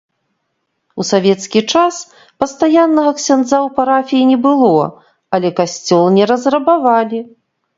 У савецкі час пастаяннага ксяндза ў парафіі не было, але касцёл не разрабавалі.